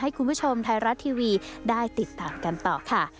คุณผู้ชมไทยรัฐทีวีได้ติดตามกันต่อค่ะ